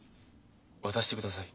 渡してください。